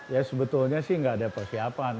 ya sebetulnya sih nggak ada persiapan